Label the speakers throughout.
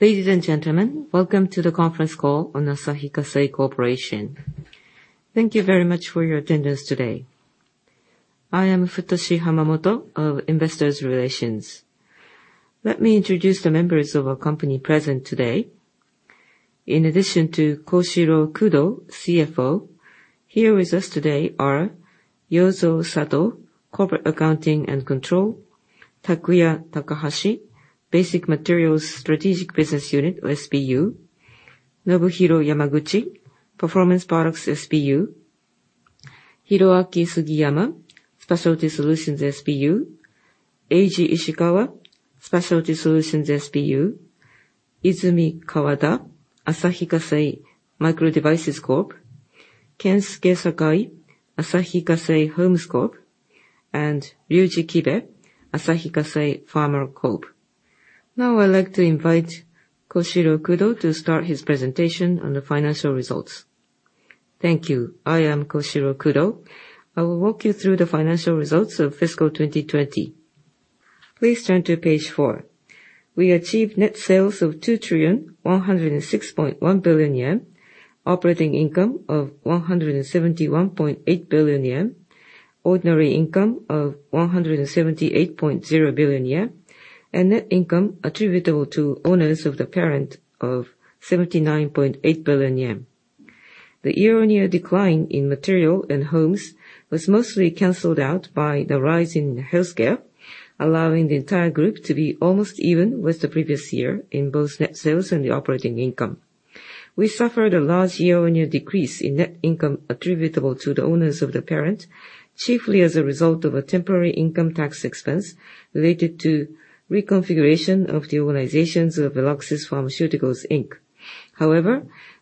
Speaker 1: Ladies and gentlemen, welcome to the conference call on Asahi Kasei Corporation. Thank you very much for your attendance today. I am Futoshi Hamamoto of Investor Relations. Let me introduce the members of our company present today. In addition to Koshiro Kudo, CFO, here with us today are Yozo Sato, Corporate Accounting and Control, Takuya Takahashi, Basic Materials Strategic Business Unit, or SBU, Nobuhiro Yamaguchi, Performance Products SBU, Hiroaki Sugiyama, Specialty Solutions SBU, Eiji Ishikawa, Specialty Solutions SBU, Izumi Kawata, Asahi Kasei Microdevices Corp., Kensuke Sakai, Asahi Kasei Homes Corp., and Ryuji Kibe, Asahi Kasei Pharma Corp. Now I would like to invite Koshiro Kudo to start his presentation on the financial results.
Speaker 2: Thank you. I am Koshiro Kudo. I will walk you through the financial results of Fiscal 2020. Please turn to page four. We achieved net sales of 2,106.1 billion yen, operating income of 171.8 billion yen, ordinary income of 178.0 billion yen, and net income attributable to owners of the parent of 79.8 billion yen. The year-on-year decline in Material and Homes was mostly canceled out by the rise in Healthcare, allowing the entire group to be almost even with the previous year in both net sales and the operating income. We suffered a large year-on-year decrease in net income attributable to the owners of the parent, chiefly as a result of a temporary income tax expense related to reconfiguration of the organizations of Veloxis Pharmaceuticals, Inc.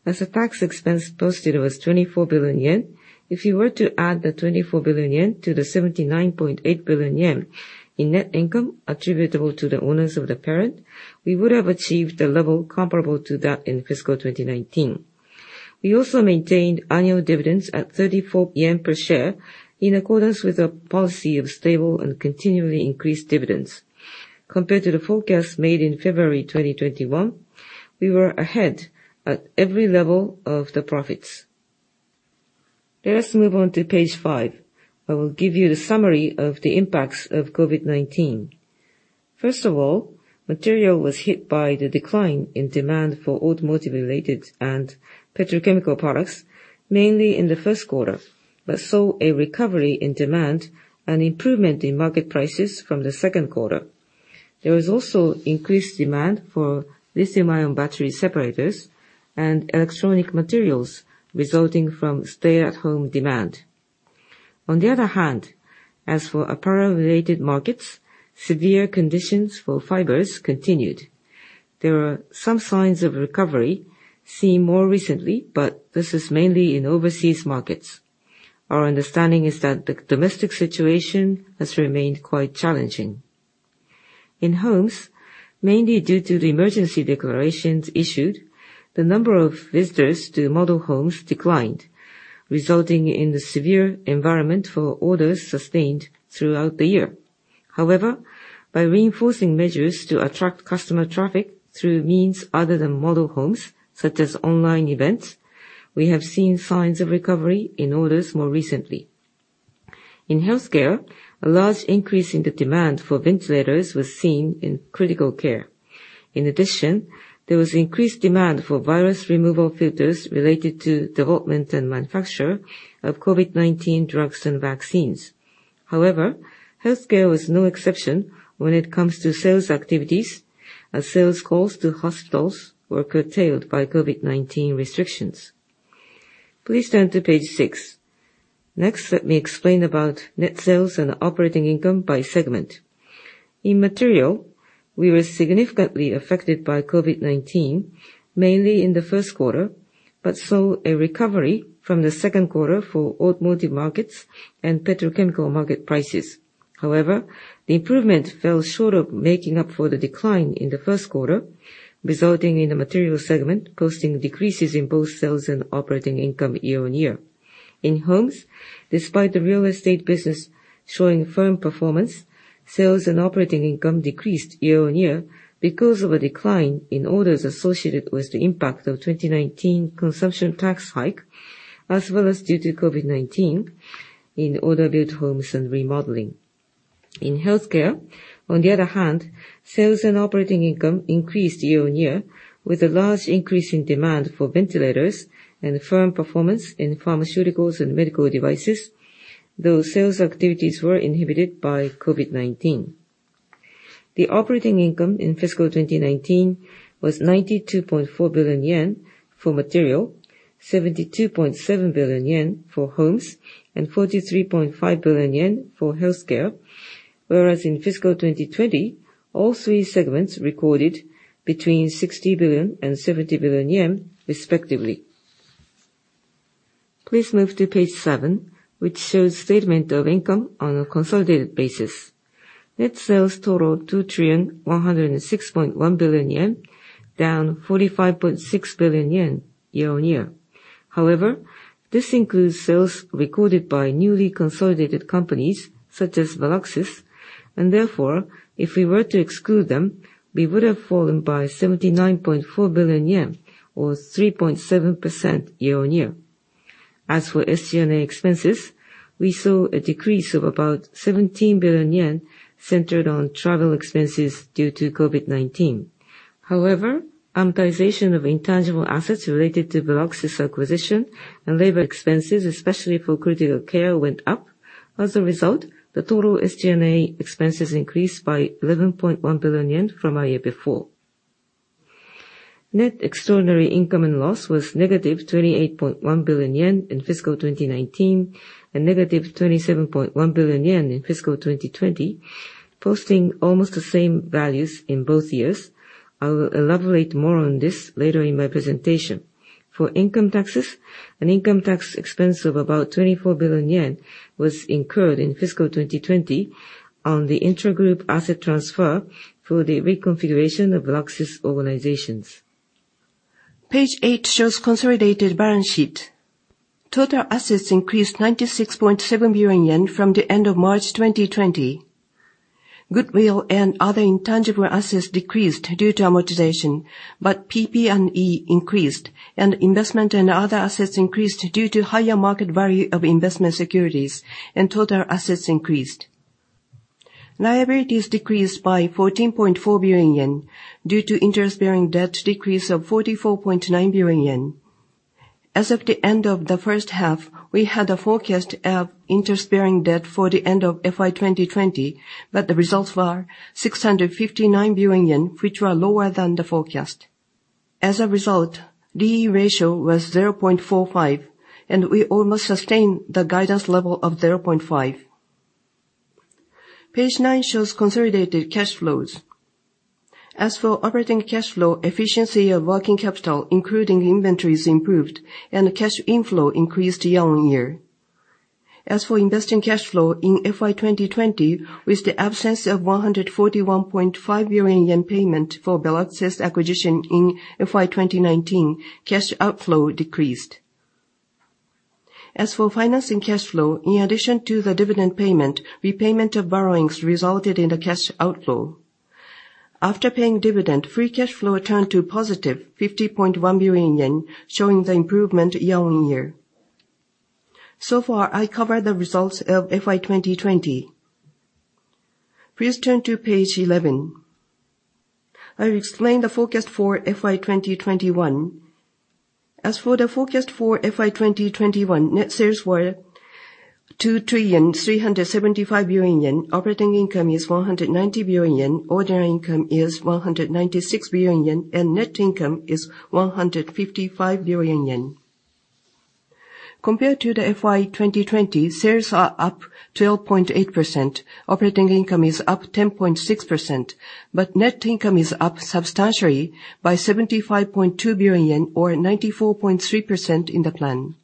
Speaker 2: As the tax expense posted was 24 billion yen, if you were to add the 24 billion yen to the 79.8 billion yen in net income attributable to the owners of the parent, we would have achieved a level comparable to that in Fiscal 2019. We also maintained annual dividends at 34 yen per share in accordance with the policy of stable and continually increased dividends. Compared to the forecast made in February 2021, we were ahead at every level of the profits. Let us move on to page five. I will give you the summary of the impacts of COVID-19. First of all, Material was hit by the decline in demand for automotive related and petrochemical products, mainly in the first quarter, but saw a recovery in demand and improvement in market prices from the second quarter. There was also increased demand for lithium-ion battery separators and electronic materials resulting from stay-at-home demand. On the other hand, as for apparel related markets, severe conditions for fibers continued. There are some signs of recovery seen more recently, but this is mainly in overseas markets. Our understanding is that the domestic situation has remained quite challenging. In Homes, mainly due to the emergency declarations issued, the number of visitors to model homes declined, resulting in the severe environment for orders sustained throughout the year. However, by reinforcing measures to attract customer traffic through means other than model homes, such as online events, we have seen signs of recovery in orders more recently. In Healthcare, a large increase in the demand for ventilators was seen in critical care. In addition, there was increased demand for virus removal filters related to development and manufacture of COVID-19 drugs and vaccines. Healthcare was no exception when it comes to sales activities, as sales calls to hospitals were curtailed by COVID-19 restrictions. Please turn to Page six. Let me explain about net sales and operating income by segment. In Material, we were significantly affected by COVID-19, mainly in the first quarter, saw a recovery from the second quarter for automotive markets and petrochemical market prices. The improvement fell short of making up for the decline in the first quarter, resulting in the Material segment posting decreases in both sales and operating income year-on-year. In Homes, despite the real estate business showing firm performance, sales and operating income decreased year-on-year because of a decline in orders associated with the impact of 2019 consumption tax hike, as well as due to COVID-19 in order built homes and remodeling. In Healthcare, on the other hand, sales and operating income increased year-on-year with a large increase in demand for ventilators and firm performance in pharmaceuticals and medical devices. Those sales activities were inhibited by COVID-19. The operating income in Fiscal 2019 was 92.4 billion yen for Material, 72.7 billion yen for Homes, and 43.5 billion yen for Healthcare. Whereas in Fiscal 2020, all three segments recorded between 60 billion and 70 billion yen respectively. Please move to Page seven, which shows statement of income on a consolidated basis. Net sales total 2,106.1 billion yen, down 45.6 billion yen year-on-year. This includes sales recorded by newly consolidated companies, such as Veloxis, and therefore, if we were to exclude them, we would have fallen by 79.4 billion yen, or 3.7% year-on-year. As for SG&A expenses, we saw a decrease of about 17 billion yen centered on travel expenses due to COVID-19. However, amortization of intangible assets related to Veloxis acquisition and labor expenses, especially for critical care, went up. As a result, the total SG&A expenses increased by 11.1 billion yen from a year before. Net extraordinary income and loss was -28.1 billion yen in Fiscal 2019, and -27.1 billion yen in Fiscal 2020, posting almost the same values in both years. I will elaborate more on this later in my presentation. For income taxes, an income tax expense of about 24 billion yen was incurred in Fiscal 2020 on the intragroup asset transfer for the reconfiguration of Veloxis organizations. Page eight shows consolidated balance sheet. Total assets increased 96.7 billion yen from the end of March 2020. Goodwill and other intangible assets decreased due to amortization. PP&E increased. Investment and other assets increased due to higher market value of investment securities. Total assets increased. Liabilities decreased by 14.4 billion yen due to interest-bearing debt decrease of 44.9 billion yen. As of the end of the first half, we had a forecast of interest-bearing debt for the end of FY 2020. The results were 659 billion yen, which were lower than the forecast. As a result, D/E ratio was 0.45. We almost sustained the guidance level of 0.5. Page nine shows consolidated cash flows. As for operating cash flow, efficiency of working capital, including inventories, improved. The cash inflow increased year-on-year. As for investing cash flow in FY 2020, with the absence of 141.5 billion yen payment for Veloxis acquisition in FY 2019, cash outflow decreased. Financing cash flow, in addition to the dividend payment, repayment of borrowings resulted in a cash outflow. After paying dividend, free cash flow turned to positive 50.1 billion yen, showing the improvement year-on-year. I covered the results of FY 2020. Please turn to Page 11. I will explain the forecast for FY 2021. The forecast for FY 2021, net sales were 2,375 billion yen, operating income is 190 billion yen, ordinary income is 196 billion yen, and net income is 155 billion yen. Compared to the FY 2020, sales are up 12.8%, operating income is up 10.6%, but net income is up substantially by 75.2 billion yen or 94.3% in the plan.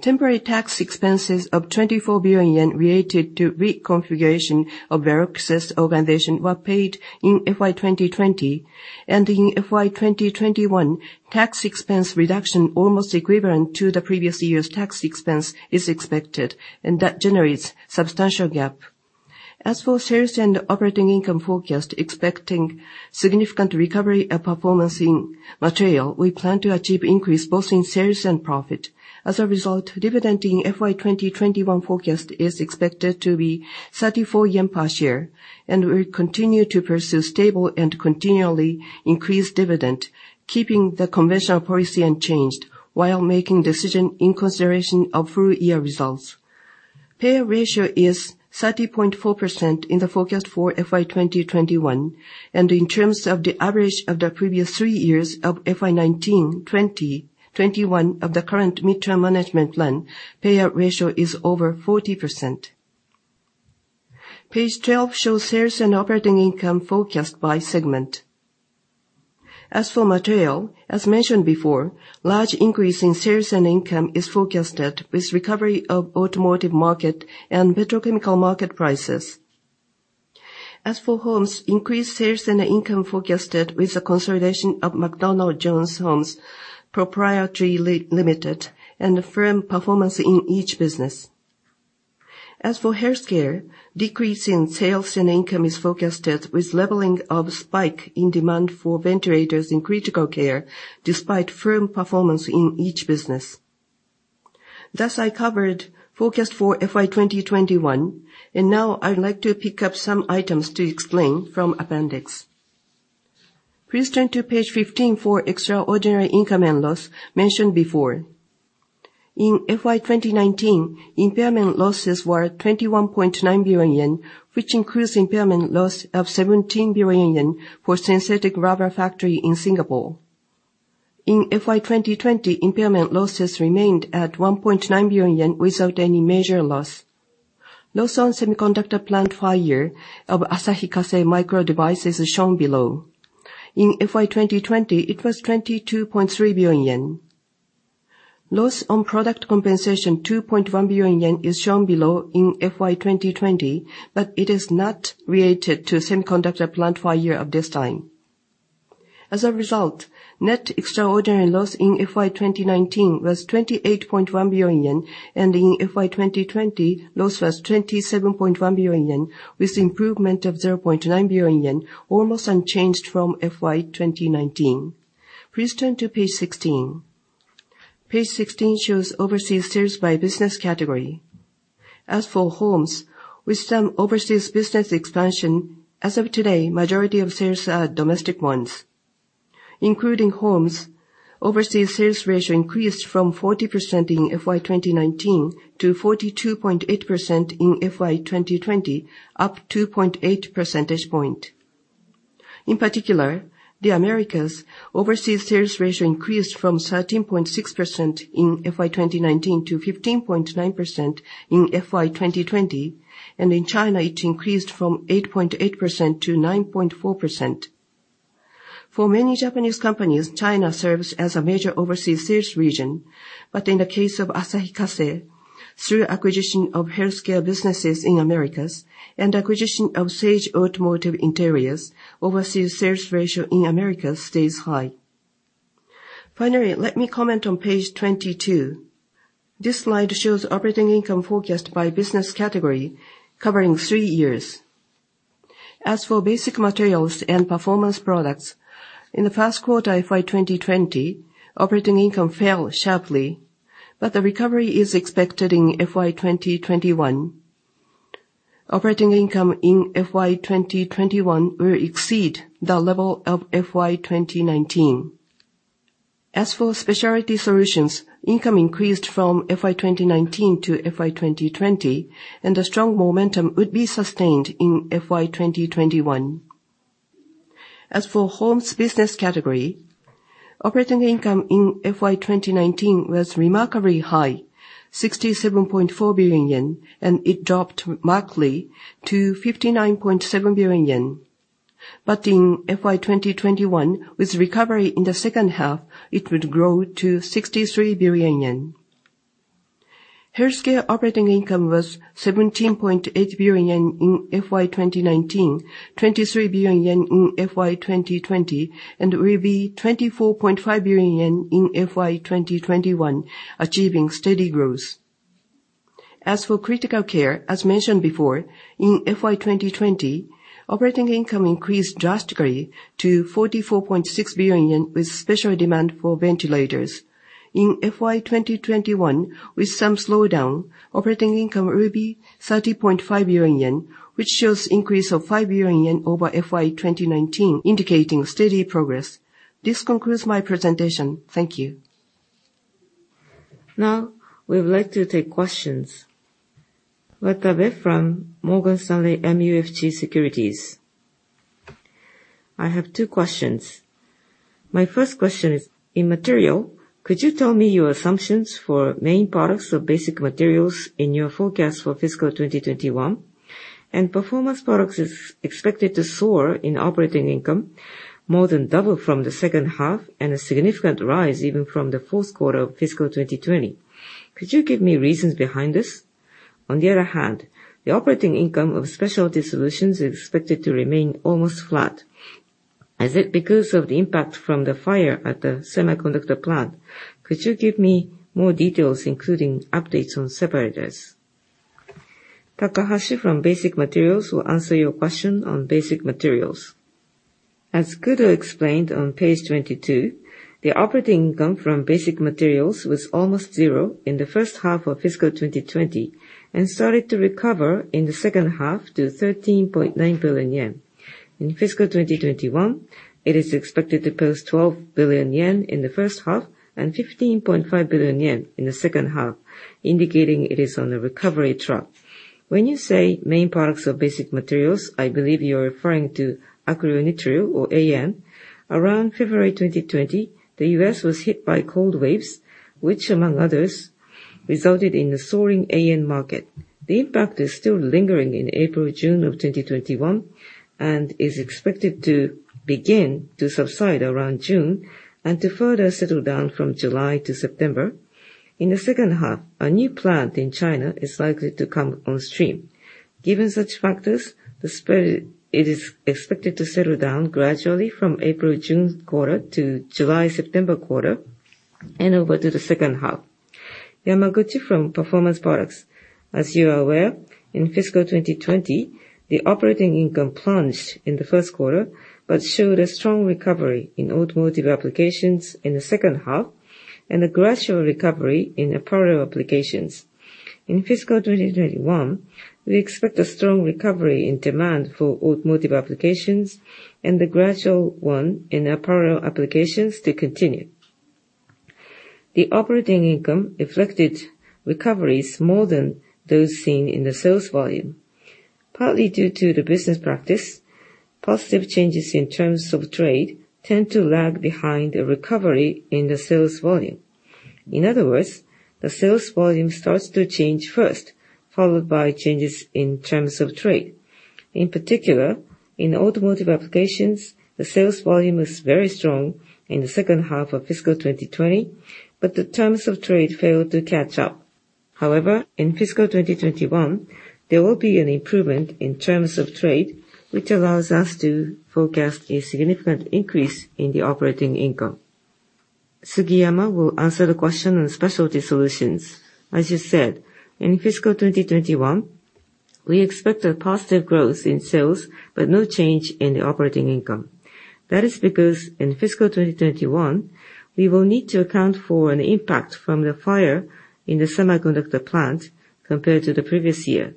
Speaker 2: Temporary tax expenses of 24 billion yen related to reconfiguration of Veloxis organization were paid in FY 2020. In FY 2021, tax expense reduction almost equivalent to the previous year's tax expense is expected, and that generates substantial gap. As for sales and operating income forecast, expecting significant recovery of performance in Material, we plan to achieve increase both in sales and profit. As a result, dividend in FY 2021 forecast is expected to be 34 yen per share, and we continue to pursue stable and continually increased dividend, keeping the conventional policy unchanged, while making decision in consideration of full-year results. Payout ratio is 30.4% in the forecast for FY 2021, and in terms of the average of the previous three years of FY 2019, 2020, 2021 of the current midterm management plan, payout ratio is over 40%. Page 12 shows sales and operating income forecast by segment. As for Material, as mentioned before, large increase in sales and income is forecasted with recovery of automotive market and petrochemical market prices. As for Homes, increased sales and income forecasted with the consolidation of McDonald Jones Homes Proprietary Limited and firm performance in each business. As for Healthcare, decrease in sales and income is forecasted with leveling of spike in demand for ventilators in critical care despite firm performance in each business. I covered forecast for FY 2021, and now I would like to pick up some items to explain from appendix. Please turn to Page 15 for extraordinary income and loss mentioned before. In FY 2019, impairment losses were 21.9 billion yen, which includes impairment loss of 17 billion yen for synthetic rubber factory in Singapore. In FY 2020, impairment losses remained at 1.9 billion yen without any major loss. Loss on semiconductor plant fire of Asahi Kasei Microdevices is shown below. In FY 2020, it was 22.3 billion yen. Loss on product compensation 2.1 billion yen is shown below in FY 2020, but it is not related to semiconductor plant fire of this time. As a result, net extraordinary loss in FY 2019 was 28.1 billion yen, in FY 2020, loss was 27.1 billion yen, with improvement of 0.9 billion yen, almost unchanged from FY 2019. Please turn to Page 16. Page 16 shows overseas sales by business category. As for Homes, with some overseas business expansion, as of today, majority of sales are domestic ones. Including Homes, overseas sales ratio increased from 40% in FY 2019 to 42.8% in FY 2020, up 2.8 percentage point. In particular, the Americas overseas sales ratio increased from 13.6% in FY 2019 to 15.9% in FY 2020. In China, it increased from 8.8%-9.4%. For many Japanese companies, China serves as a major overseas sales region. In the case of Asahi Kasei, through acquisition of Healthcare businesses in Americas and acquisition of Sage Automotive Interiors, overseas sales ratio in America stays high. Finally, let me comment on page 22. This slide shows operating income forecast by business category covering three years. As for Basic Materials and Performance Products, in the first quarter FY 2020, operating income fell sharply, but the recovery is expected in FY 2021. Operating income in FY 2021 will exceed the level of FY 2019. As for Specialty Solutions, income increased from FY 2019 to FY 2020, and the strong momentum would be sustained in FY 2021. As for Homes business category, operating income in FY 2019 was remarkably high, 67.4 billion yen, and it dropped markedly to 59.7 billion yen. In FY 2021, with recovery in the second half, it would grow to 63 billion yen. Healthcare operating income was 17.8 billion yen in FY 2019, 23 billion yen in FY 2020, and will be 24.5 billion yen in FY 2021, achieving steady growth. As for Critical Care, as mentioned before, in FY 2020, operating income increased drastically to 44.6 billion yen, with special demand for ventilators. In FY 2021, with some slowdown, operating income will be 30.5 billion yen, which shows increase of 5 billion yen over FY 2019, indicating steady progress. This concludes my presentation.
Speaker 1: Thank you. We would like to take questions. Watanabe from Morgan Stanley MUFG Securities.
Speaker 3: I have two questions. My first question is, in Material, could you tell me your assumptions for main products of Basic Materials in your forecast for FY 2021? Performance Products is expected to soar in operating income, more than double from the second half, and a significant rise even from the fourth quarter of FY 2020. Could you give me reasons behind this? The operating income of Specialty Solutions is expected to remain almost flat. Is it because of the impact from the fire at the semiconductor plant? Could you give me more details, including updates on separators?
Speaker 4: Takahashi from Basic Materials will answer your question on Basic Materials.
Speaker 5: As Kudo explained on Page 22, the operating income from Basic Materials was almost zero in the first half of FY 2020, and started to recover in the second half to 13.9 billion yen. In FY 2021, it is expected to post 12 billion yen in the first half and 15.5 billion yen in the second half, indicating it is on a recovery track. When you say main products of Basic Materials, I believe you're referring to acrylonitrile, or AN. Around February 2020, the U.S. was hit by cold waves, which among others, resulted in the soaring AN market. The impact is still lingering in April-June of 2021, and is expected to begin to subside around June, and to further settle down from July-September. In the second half, a new plant in China is likely to come on stream. Given such factors, it is expected to settle down gradually from April-June quarter to July-September quarter, and over to the second half.
Speaker 6: Yamaguchi from Performance Products. As you are aware, in Fiscal 2020, the operating income plunged in the first quarter, but showed a strong recovery in automotive applications in the second half, and a gradual recovery in apparel applications. In Fiscal 2021, we expect a strong recovery in demand for automotive applications and the gradual one in apparel applications to continue. The operating income reflected recoveries more than those seen in the sales volume. Partly due to the business practice, positive changes in terms of trade tend to lag behind a recovery in the sales volume. In other words, the sales volume starts to change first, followed by changes in terms of trade. In particular, in automotive applications, the sales volume was very strong in the second half of Fiscal 2020, but the terms of trade failed to catch up. However, in Fiscal 2021, there will be an improvement in terms of trade, which allows us to forecast a significant increase in the operating income. Sugiyama will answer the question on Specialty Solutions.
Speaker 7: As you said, in Fiscal 2021, we expect a positive growth in sales, but no change in the operating income. That is because in Fiscal 2021, we will need to account for an impact from the fire in the semiconductor plant compared to the previous year.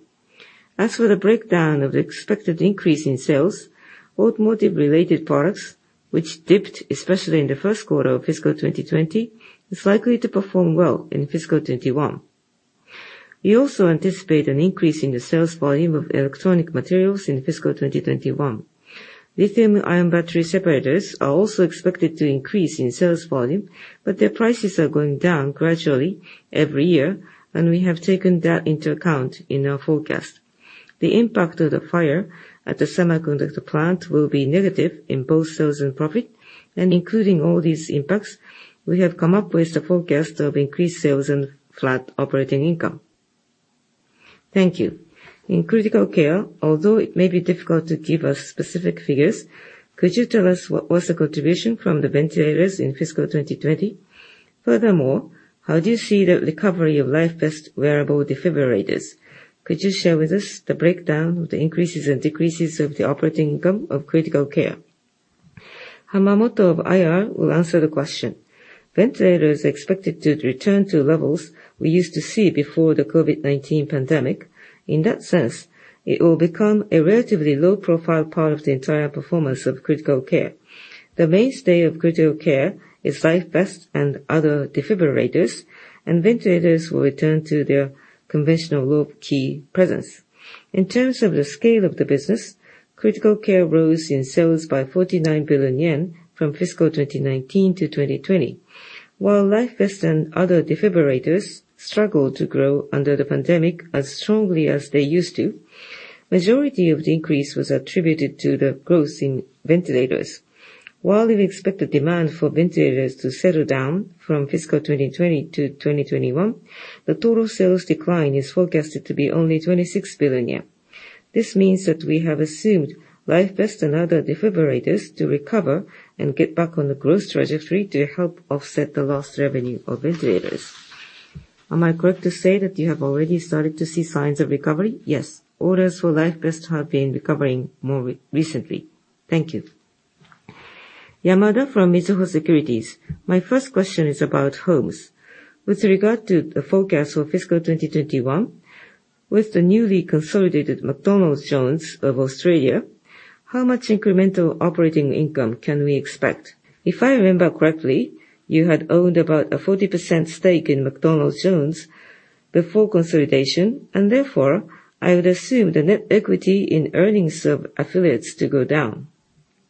Speaker 7: As for the breakdown of the expected increase in sales, automotive-related products, which dipped especially in the first quarter of Fiscal 2020, is likely to perform well in Fiscal 2021. We also anticipate an increase in the sales volume of electronic materials in Fiscal 2021. Lithium-ion battery separators are also expected to increase in sales volume, but their prices are going down gradually every year, and we have taken that into account in our forecast. The impact of the fire at the semiconductor plant will be negative in both sales and profit. Including all these impacts, we have come up with the forecast of increased sales and flat operating income.
Speaker 3: Thank you. In critical care, although it may be difficult to give us specific figures, could you tell us what was the contribution from the ventilators in Fiscal 2020? Furthermore, how do you see the recovery of LifeVest wearable defibrillators? Could you share with us the breakdown of the increases and decreases of the operating income of critical care?
Speaker 4: Hamamoto of IR will answer the question.
Speaker 1: Ventilators are expected to return to levels we used to see before the COVID-19 pandemic. In that sense, it will become a relatively low-profile part of the entire performance of critical care. The mainstay of critical care is LifeVest and other defibrillators, and ventilators will return to their conventional low-key presence. In terms of the scale of the business, critical care rose in sales by 49 billion yen from Fiscal 2019 to 2020. While LifeVest and other defibrillators struggled to grow under the pandemic as strongly as they used to, majority of the increase was attributed to the growth in ventilators. While we expect the demand for ventilators to settle down from Fiscal 2020-2021, the total sales decline is forecasted to be only 26 billion yen. This means that we have assumed LifeVest and other defibrillators to recover and get back on the growth trajectory to help offset the lost revenue of ventilators.
Speaker 3: Am I correct to say that you have already started to see signs of recovery?
Speaker 1: Yes. Orders for LifeVest have been recovering more recently.
Speaker 3: Thank you.
Speaker 8: Yamada from Mizuho Securities. My first question is about homes. With regard to the forecast for Fiscal 2021, with the newly consolidated McDonald Jones of Australia, how much incremental operating income can we expect? If I remember correctly, you had owned about a 40% stake in McDonald Jones before consolidation, and therefore, I would assume the net equity in earnings of affiliates to go down.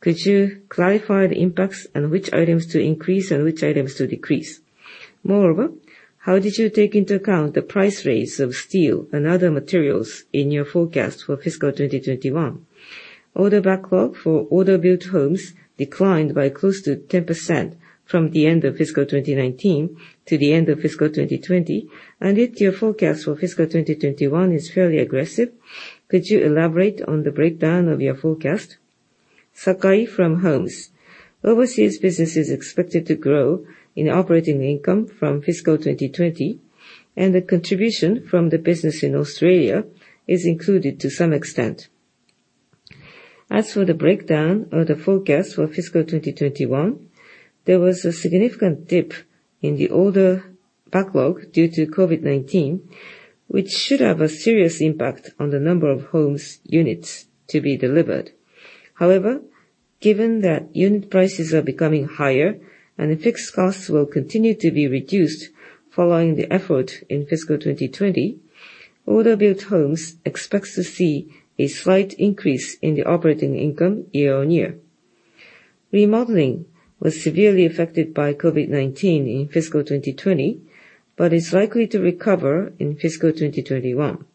Speaker 8: Could you clarify the impacts and which items to increase and which items to decrease? Moreover, how did you take into account the price raise of steel and other materials in your forecast for Fiscal 2021? Order backlog for order-built homes declined by close to 10% from the end of Fiscal 2019 to the end of Fiscal 2020. Yet your forecast for Fiscal 2021 is fairly aggressive. Could you elaborate on the breakdown of your forecast?
Speaker 9: Sakai from Homes. Overseas business is expected to grow in operating income from Fiscal 2020. The contribution from the business in Australia is included to some extent. As for the breakdown of the forecast for Fiscal 2021, there was a significant dip in the order backlog due to COVID-19, which should have a serious impact on the number of homes units to be delivered. However, given that unit prices are becoming higher and the fixed costs will continue to be reduced following the effort in Fiscal 2020, order-built homes expects to see a slight increase in the operating income year-on-year. Remodeling was severely affected by COVID-19 in Fiscal 2020. It's likely to recover in Fiscal 2021.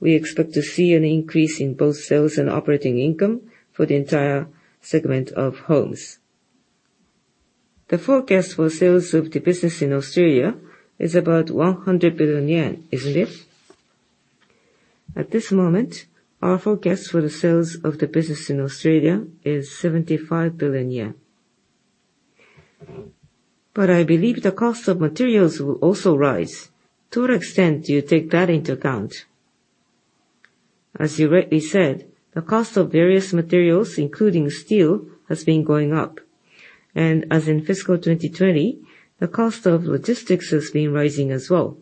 Speaker 9: We expect to see an increase in both sales and operating income for the entire segment of homes.
Speaker 8: The forecast for sales of the business in Australia is about 100 billion yen, isn't it?
Speaker 9: At this moment, our forecast for the sales of the business in Australia is 75 billion yen. I believe the cost of materials will also rise. To what extent do you take that into account? As you rightly said, the cost of various materials, including steel, has been going up, and as in Fiscal 2020, the cost of logistics has been rising as well.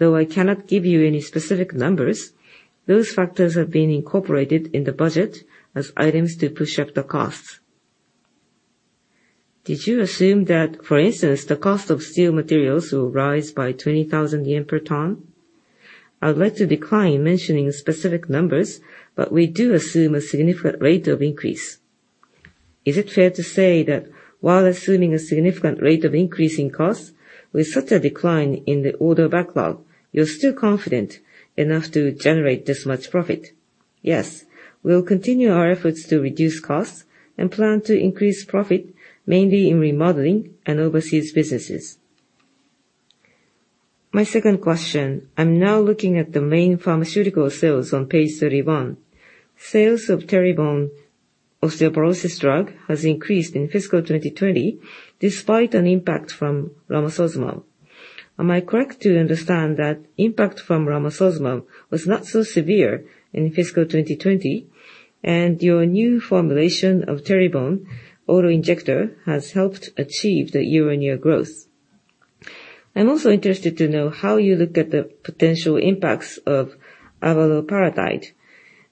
Speaker 9: I cannot give you any specific numbers, those factors have been incorporated in the budget as items to push up the costs.
Speaker 8: Did you assume that, for instance, the cost of steel materials will rise by 20,000 yen per ton? I would like to decline mentioning specific numbers, but we do assume a significant rate of increase. Is it fair to say that while assuming a significant rate of increase in cost, with such a decline in the order backlog, you're still confident enough to generate this much profit?
Speaker 9: Yes. We'll continue our efforts to reduce costs and plan to increase profit, mainly in remodeling and overseas businesses.
Speaker 8: My second question. I'm now looking at the main pharmaceutical sales on Page 31. Sales of Teribone osteoporosis drug has increased in Fiscal 2020 despite an impact from romosozumab. Am I correct to understand that impact from romosozumab was not so severe in Fiscal 2020, and your new formulation of Teribone auto-injector has helped achieve the year-on-year growth? I'm also interested to know how you look at the potential impacts of abaloparatide,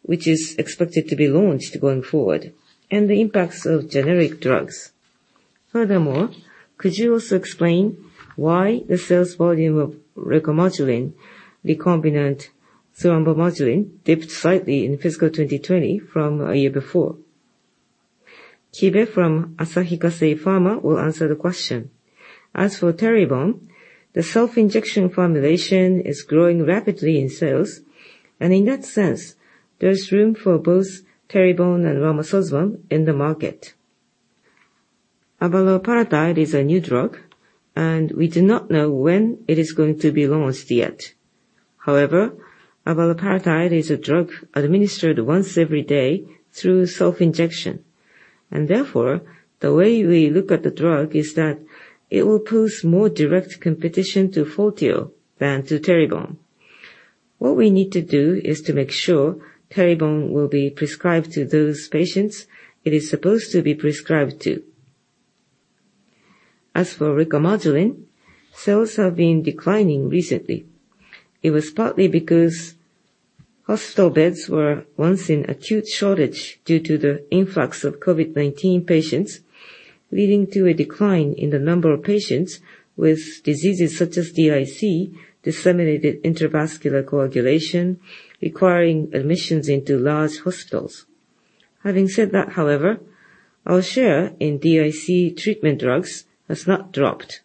Speaker 8: which is expected to be launched going forward, and the impacts of generic drugs. Furthermore, could you also explain why the sales volume of Recomodulin, recombinant thrombomodulin, dipped slightly in Fiscal 2020 from a year before?
Speaker 4: Ryuji Kibe from Asahi Kasei Pharma will answer the question.
Speaker 10: As for Teribone, the self-injection formulation is growing rapidly in sales, and in that sense, there's room for both Teribone and romosozumab in the market. Abaloparatide is a new drug, and we do not know when it is going to be launched yet. However, abaloparatide is a drug administered once every day through self-injection, and therefore, the way we look at the drug is that it will pose more direct competition to FORTEO than to Teribone. What we need to do is to make sure Teribone will be prescribed to those patients it is supposed to be prescribed to. As for Recomodulin, sales have been declining recently. It was partly because hospital beds were once in acute shortage due to the influx of COVID-19 patients, leading to a decline in the number of patients with diseases such as DIC, disseminated intravascular coagulation, requiring admissions into large hospitals. Having said that, however, our share in DIC treatment drugs has not dropped.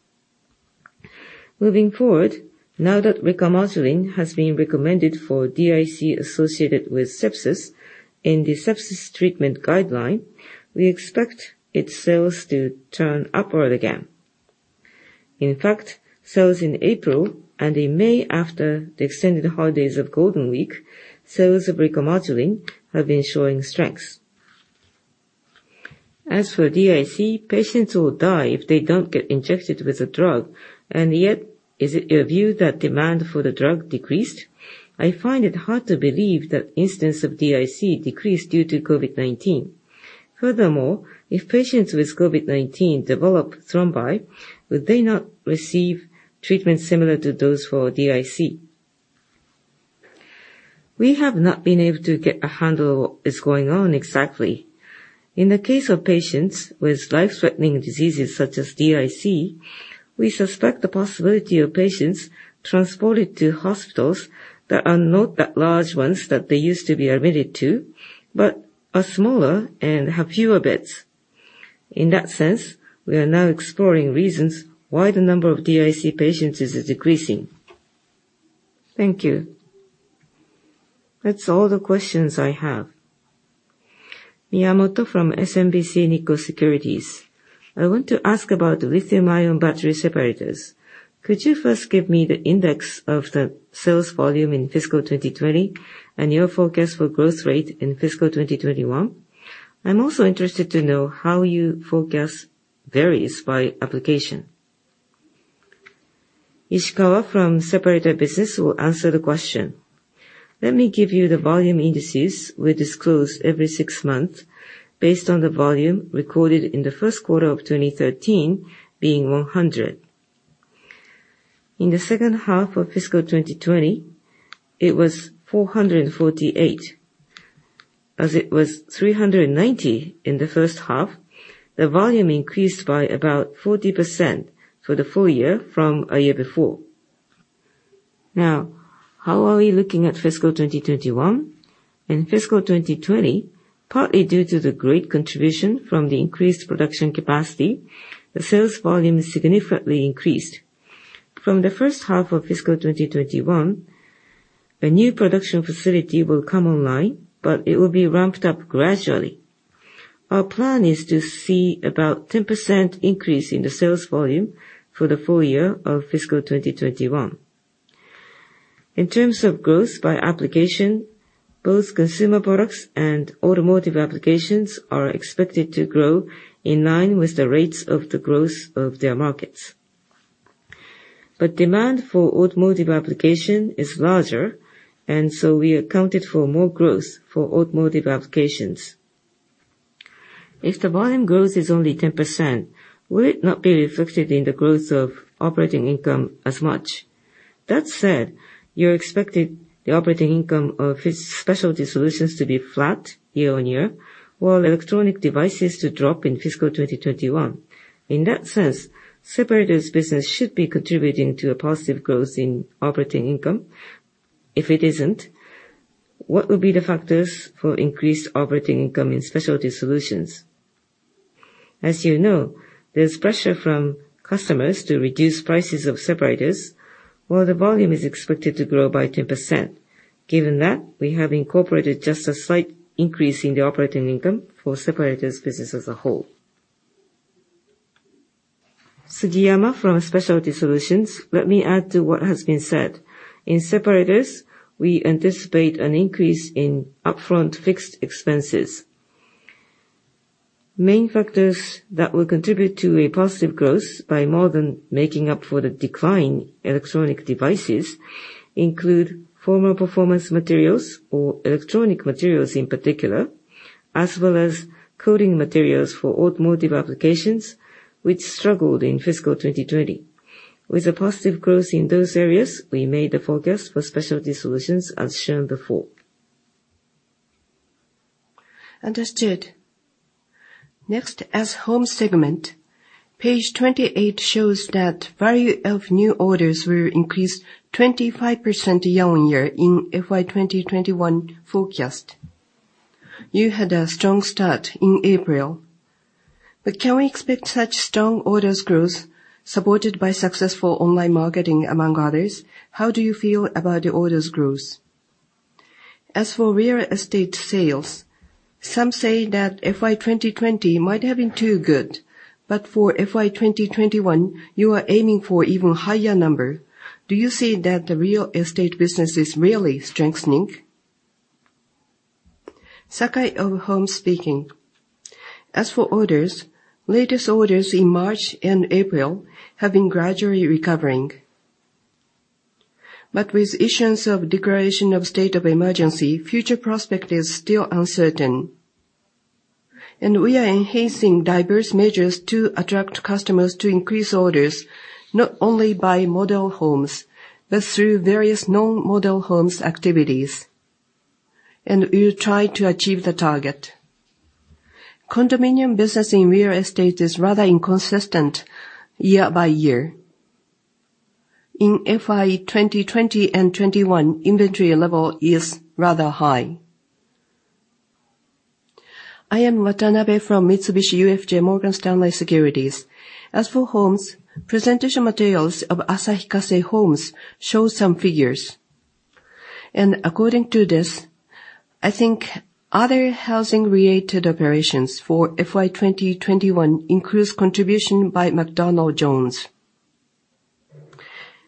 Speaker 10: Moving forward, now that Recomodulin has been recommended for DIC associated with sepsis in the sepsis treatment guideline, we expect its sales to turn upward again. In fact, sales in April and in May after the extended holidays of Golden Week, sales of Recomodulin have been showing strength.
Speaker 8: As for DIC, patients will die if they don't get injected with the drug, yet, is it your view that demand for the drug decreased? I find it hard to believe that instance of DIC decreased due to COVID-19. If patients with COVID-19 develop thrombi, would they not receive treatment similar to those for DIC?
Speaker 10: We have not been able to get a handle on what is going on exactly. In the case of patients with life-threatening diseases such as DIC, we suspect the possibility of patients transported to hospitals that are not the large ones that they used to be admitted to, but are smaller and have fewer beds. In that sense, we are now exploring reasons why the number of DIC patients is decreasing.
Speaker 8: Thank you. That's all the questions I have.
Speaker 11: Miyamoto from SMBC Nikko Securities. I want to ask about lithium-ion battery separators. Could you first give me the index of the sales volume in Fiscal 2020 and your forecast for growth rate in Fiscal 2021? I'm also interested to know how your forecast varies by application.
Speaker 4: Ishikawa from Separator Business will answer the question.
Speaker 12: Let me give you the volume indices we disclose every six months based on the volume recorded in the first quarter of 2013 being 100. In the second half of Fiscal 2020, it was 448. As it was 390 in the first half, the volume increased by about 40% for the full-year from a year before. Now, how are we looking at Fiscal 2021? In Fiscal 2020, partly due to the great contribution from the increased production capacity, the sales volume significantly increased. From the first half of Fiscal 2021, a new production facility will come online, but it will be ramped up gradually. Our plan is to see about 10% increase in the sales volume for the full-year of Fiscal 2021. In terms of growth by application, both consumer products and automotive applications are expected to grow in line with the rates of the growth of their markets. Demand for automotive application is larger, we accounted for more growth for automotive applications.
Speaker 11: If the volume growth is only 10%, will it not be reflected in the growth of operating income as much? That said, you expected the operating income of its Specialty Solutions to be flat year-on-year, while electronic devices to drop in Fiscal 2021. In that sense, Separators Business should be contributing to a positive growth in operating income. If it isn't, what would be the factors for increased operating income in Specialty Solutions?
Speaker 12: As you know, there's pressure from customers to reduce prices of separators, while the volume is expected to grow by 10%. Given that, we have incorporated just a slight increase in the operating income for separators business as a whole.
Speaker 7: Sugiyama from Specialty Solutions. Let me add to what has been said. In separators, we anticipate an increase in upfront fixed expenses. Main factors that will contribute to a positive growth by more than making up for the decline in electronic devices include former performance materials or electronic materials in particular, as well as coating materials for automotive applications, which struggled in Fiscal 2020. With a positive growth in those areas, we made the forecast for Specialty Solutions as shown before.
Speaker 11: Understood. As Homes segment, Page 28 shows that value of new orders will increase 25% year-on-year in FY 2021 forecast. You had a strong start in April, can we expect such strong orders growth supported by successful online marketing among others? How do you feel about the orders growth? As for real estate sales, some say that FY 2020 might have been too good. For FY 2021, you are aiming for even higher number. Do you see that the real estate business is really strengthening?
Speaker 9: Sakai of Homes speaking. As for orders, latest orders in March and April have been gradually recovering. With issuance of declaration of state of emergency, future prospect is still uncertain. We are enhancing diverse measures to attract customers to increase orders, not only by model homes, but through various non-model homes activities. We will try to achieve the target. Condominium business in real estate is rather inconsistent year-by-year. In FY 2020 and 2021, inventory level is rather high.
Speaker 13: I am Watabe from Mitsubishi UFJ Morgan Stanley Securities. As for Homes, presentation materials of Asahi Kasei Homes show some figures. According to this, I think other housing-related operations for FY 2021 includes contribution by McDonald Jones.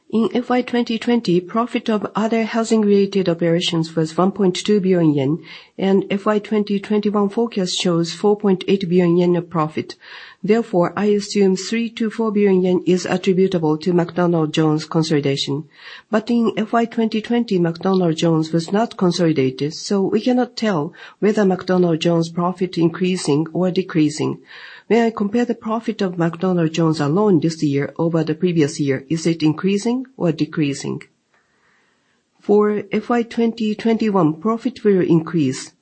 Speaker 13: In FY 2020, profit of other housing-related operations was 1.2 billion yen. FY 2021 forecast shows 4.8 billion yen of profit. Therefore, I assume 3 billion-4 billion yen is attributable to McDonald Jones consolidation. In FY 2020, McDonald Jones was not consolidated, so we cannot tell whether McDonald Jones profit increasing or decreasing. May I compare the profit of McDonald Jones alone this year over the previous year? Is it increasing or decreasing?
Speaker 9: For FY 2021, profit will increase.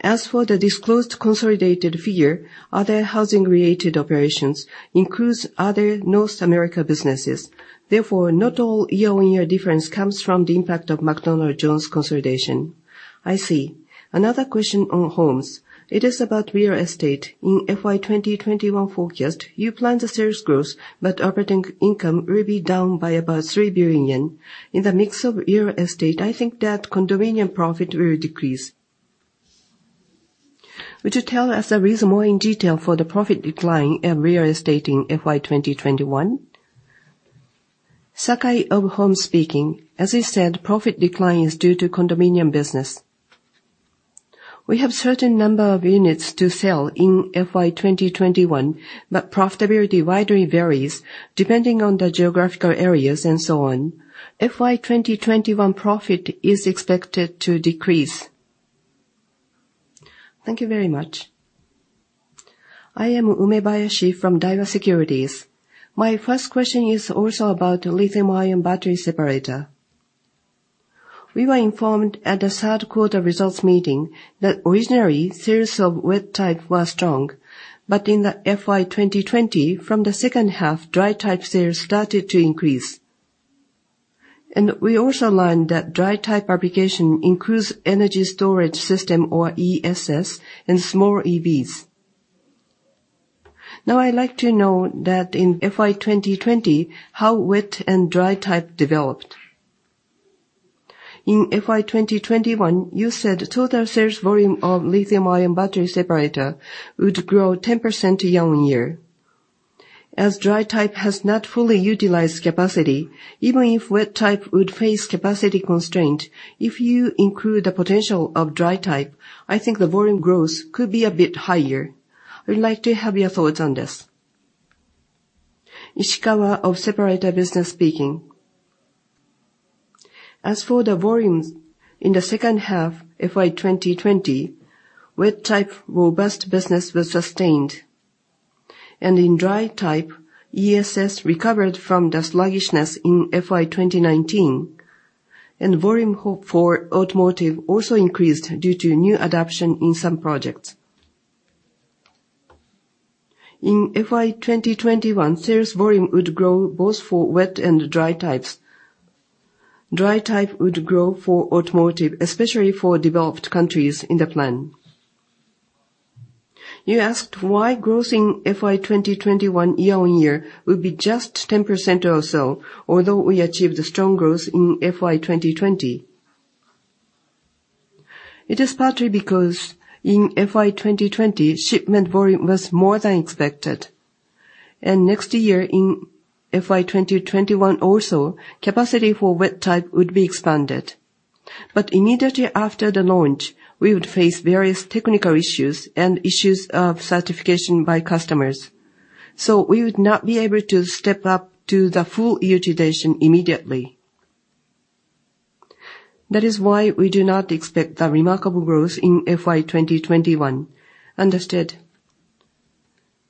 Speaker 9: As for the disclosed consolidated figure, other housing-related operations includes other North America businesses. Not all year-on-year difference comes from the impact of McDonald Jones consolidation.
Speaker 13: I see. Another question on Homes. It is about real estate. In FY 2021 forecast, you plan the sales growth, but operating income will be down by about 3 billion yen. In the mix of real estate, I think that condominium profit will decrease. Would you tell us the reason more in detail for the profit decline in real estate in FY 2021?
Speaker 9: As I said, profit decline is due to condominium business. We have certain number of units to sell in FY 2021, but profitability widely varies depending on the geographical areas and so on. FY 2021 profit is expected to decrease.
Speaker 13: Thank you very much.
Speaker 14: I am Umebayashi from Daiwa Securities. My first question is also about lithium-ion battery separator. We were informed at the third quarter results meeting that originally, sales of wet type were strong. In the FY 2020, from the second half, dry type sales started to increase. We also learned that dry type application includes energy storage system, or ESS, and small EVs. Now I'd like to know that in FY 2020, how wet and dry type developed. In FY 2021, you said total sales volume of lithium-ion battery separator would grow 10% year-on-year. As dry type has not fully utilized capacity, even if wet type would face capacity constraint, if you include the potential of dry type, I think the volume growth could be a bit higher. I would like to have your thoughts on this.
Speaker 12: Ishikawa of Separator business speaking. As for the volumes in the second half FY 2020, wet type robust business was sustained. In dry type, ESS recovered from the sluggishness in FY 2019. Volume hope for automotive also increased due to new adoption in some projects. In FY 2021, sales volume would grow both for wet and dry types. Dry type would grow for automotive, especially for developed countries in the plan. You asked why growth in FY 2021 year-on-year will be just 10% or so, although we achieved strong growth in FY 2020. It is partly because in FY 2020, shipment volume was more than expected. Next year in FY 2021 also, capacity for wet type would be expanded. Immediately after the launch, we would face various technical issues and issues of certification by customers. We would not be able to step up to the full utilization immediately. That is why we do not expect the remarkable growth in FY 2021. Understood.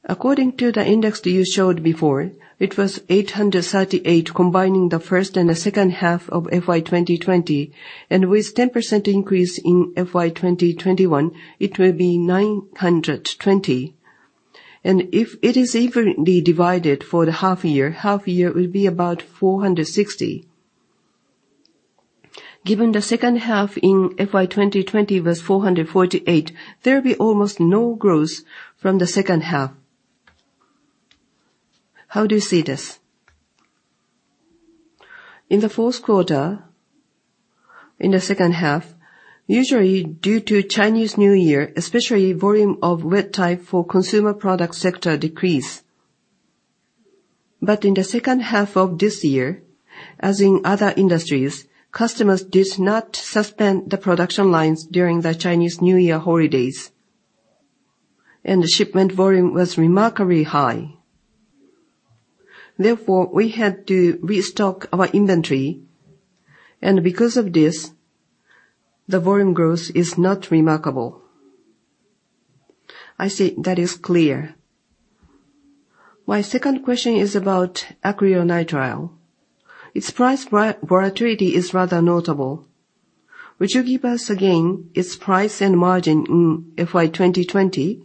Speaker 12: According to the index that you showed before, it was 838 combining the first and the second half of FY 2020. With 10% increase in FY 2021, it will be 920.
Speaker 14: If it is evenly divided for the half year, half year will be about 460. Given the second half in FY 2020 was 448, there will be almost no growth from the second half. How do you see this?
Speaker 12: In the fourth quarter, in the second half, usually due to Chinese New Year, especially volume of wet type for consumer product sector decrease. In the second half of this year, as in other industries, customers did not suspend the production lines during the Chinese New Year holidays. The shipment volume was remarkably high. Therefore, we had to restock our inventory. Because of this, the volume growth is not remarkable.
Speaker 14: I see. That is clear. My second question is about acrylonitrile. Its price volatility is rather notable. Would you give us again its price and margin in FY 2020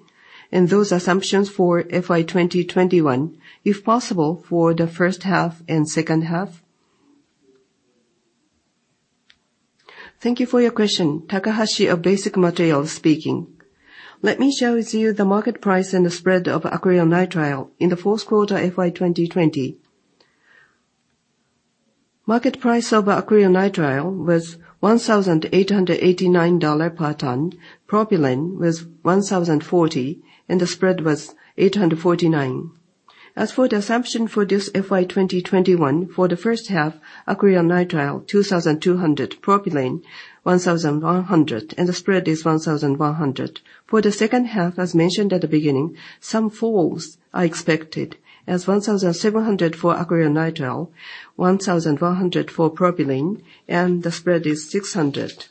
Speaker 14: and those assumptions for FY 2021, if possible, for the first half and second half?
Speaker 5: Thank you for your question. Takahashi of Basic Materials speaking. Let me share with you the market price and the spread of acrylonitrile in the fourth quarter FY 2020. Market price of acrylonitrile was $1,889 per ton, propylene was $1,040, and the spread was $849. As for the assumption for this FY 2021, for the first half, acrylonitrile $2,200, propylene $1,100, and the spread is $1,100. For the second half, as mentioned at the beginning, some falls are expected as $1,700 for acrylonitrile, $1,100 for propylene, and the spread is $600.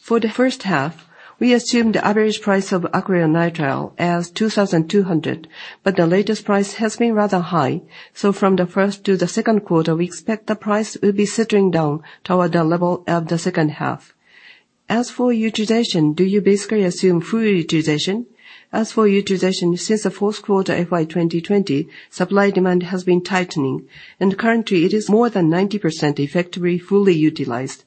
Speaker 5: For the first half, we assumed the average price of acrylonitrile as $2,200, the latest price has been rather high, from the first to the second quarter, we expect the price will be settling down toward the level of the second half.
Speaker 14: As for utilization, do you basically assume full utilization?
Speaker 5: As for utilization, since the fourth quarter FY 2020, supply-demand has been tightening, currently it is more than 90% effectively fully utilized.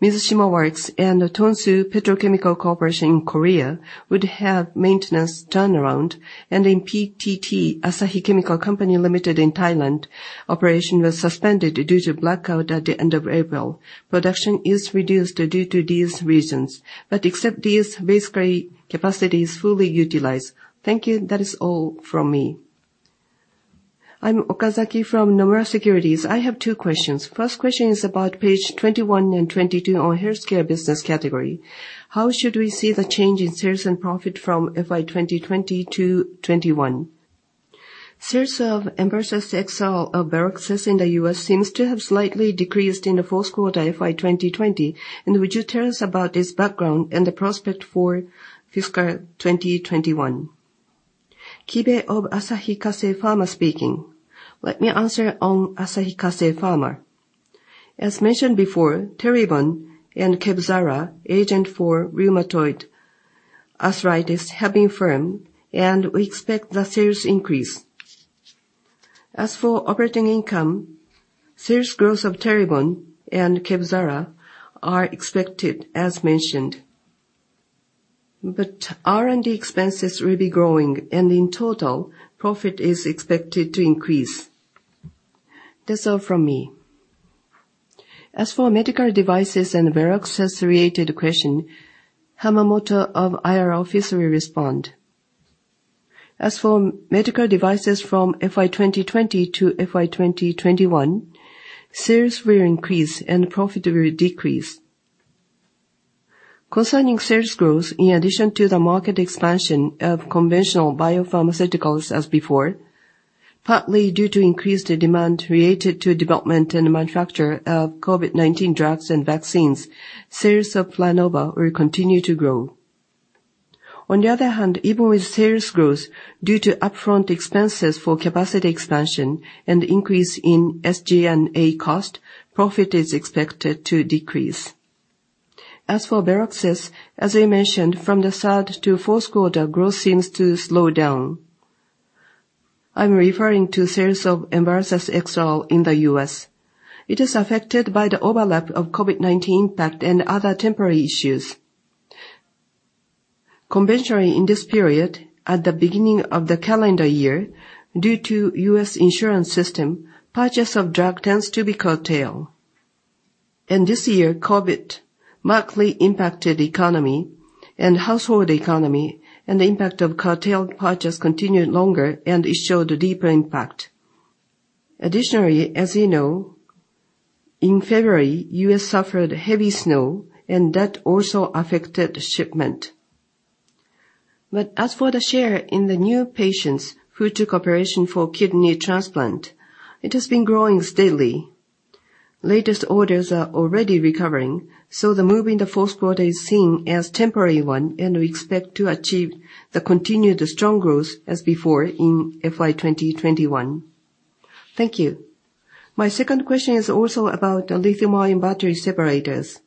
Speaker 5: Mizushima Works and Tongsuh Petrochemical Corp., Ltd. in Korea would have maintenance turnaround, in PTT Asahi Chemical Company Limited in Thailand, operation was suspended due to blackout at the end of April. Production is reduced due to these reasons. Except these, basically capacity is fully utilized.
Speaker 14: Thank you. That is all from me.
Speaker 15: I'm Okazaki from Nomura Securities. I have two questions. First question is about Page 21 and 22 on Healthcare business category. How should we see the change in sales and profit from FY 2020-2021? Sales of Envarsus XR, a biologics in the U.S., seems to have slightly decreased in the fourth quarter FY 2020. Would you tell us about this background and the prospect for Fiscal 2021?
Speaker 10: Kibe of Asahi Kasei Pharma speaking. Let me answer on Asahi Kasei Pharma. As mentioned before, Teribone and KEVZARA, agent for rheumatoid arthritis, have been firm. We expect the sales increase. As for operating income, sales growth of Teribone and KEVZARA are expected as mentioned. R&D expenses will be growing. In total, profit is expected to increase. That's all from me. As for medical devices and biologics-related question, Hamamoto of IR Office will respond.
Speaker 1: As for medical devices from FY 2020-FY 2021, sales will increase and profit will decrease. Concerning sales growth, in addition to the market expansion of conventional biopharmaceuticals as before, partly due to increased demand related to development and manufacture of COVID-19 drugs and vaccines, sales of Planova will continue to grow. Even with sales growth, due to upfront expenses for capacity expansion and increase in SG&A cost, profit is expected to decrease. As for Veloxis, as I mentioned, from the third to fourth quarter, growth seems to slow down. I'm referring to sales of Envarsus XR in the U.S. It is affected by the overlap of COVID-19 impact and other temporary issues. Conventionally, in this period, at the beginning of the calendar year, due to U.S. insurance system, purchase of drug tends to be curtailed. In this year, COVID markedly impacted economy, and household economy, and the impact of curtailed purchase continued longer, and it showed a deeper impact. Additionally, as you know, in February, U.S. suffered heavy snow, and that also affected shipment. As for the share in the new patients who took operation for kidney transplant, it has been growing steadily. Latest orders are already recovering, so the move in the fourth quarter is seen as temporary one, and we expect to achieve the continued strong growth as before in FY 2021.
Speaker 15: Thank you. My second question is also about the lithium-ion battery separators.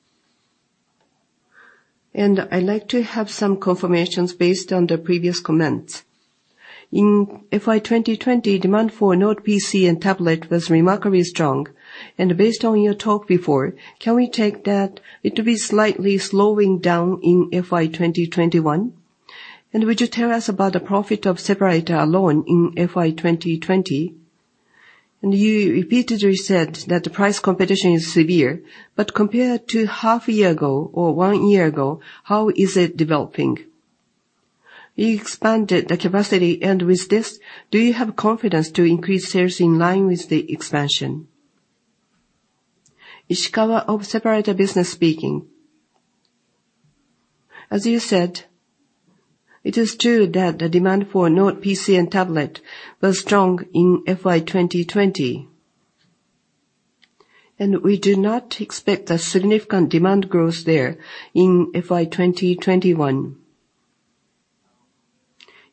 Speaker 15: I'd like to have some confirmations based on the previous comments. In FY 2020, demand for notebook PC and tablet was remarkably strong. Based on your talk before, can we take that it will be slightly slowing down in FY 2021? Would you tell us about the profit of Separator alone in FY 2020? You repeatedly said that the price competition is severe, but compared to half a year ago or one year ago, how is it developing? You expanded the capacity, and with this, do you have confidence to increase sales in line with the expansion?
Speaker 12: Ishikawa of Separator business speaking. As you said, it is true that the demand for notebook PC and tablet was strong in FY 2020. We do not expect a significant demand growth there in FY 2021.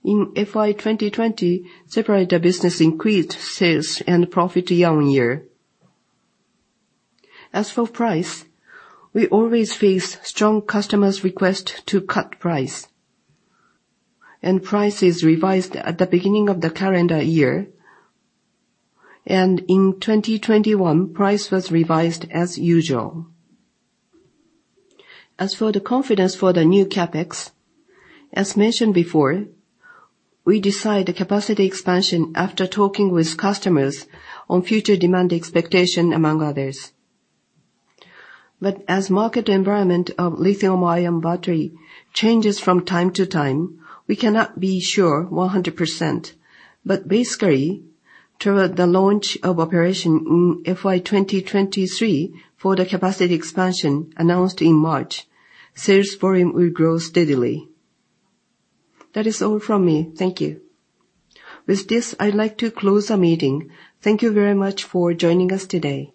Speaker 12: In FY 2020, Separator business increased sales and profit year-on-year. As for price, we always face strong customers' request to cut price. Price is revised at the beginning of the calendar year. In 2021, price was revised as usual.
Speaker 1: As for the confidence for the new CapEx, as mentioned before, we decide the capacity expansion after talking with customers on future demand expectation among others. As market environment of lithium-ion battery changes from time to time, we cannot be sure 100%, but basically, toward the launch of operation in FY 2023 for the capacity expansion announced in March, sales volume will grow steadily.
Speaker 15: That is all from me. Thank you.
Speaker 1: With this, I'd like to close the meeting. Thank you very much for joining us today.